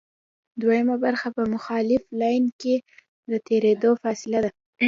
دوهمه برخه په مخالف لین کې د تېرېدو فاصله ده